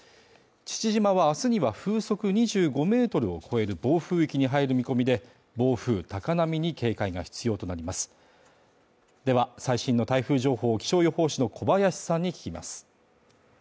父島は明日には風速２５メートルを超える暴風域に入る見込みで暴風・高波に警戒が必要となりますでは最新の台風情報を気象予報士の小林さんに聞きます